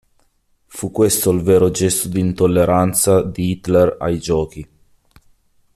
Fu questo il vero gesto di intolleranza di Hitler ai Giochi.